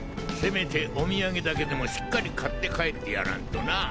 せめてお土産だけでもしっかり買って帰ってやらんとな。